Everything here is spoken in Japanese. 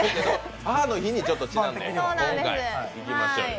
母の日にちなんで今回、いきましょうよ。